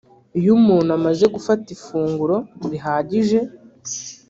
Iyo umuntu amaze gufata ifunguro rihagije